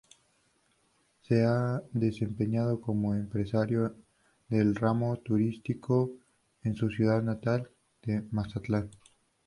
Se ha desempeñado como empresario del ramo turístico en su ciudad natal de Mazatlán.